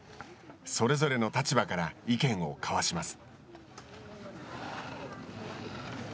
それぞれの立場から意見を交わします。